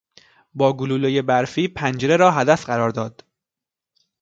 با گلولهی برفی پنجره را هدف قرار داد.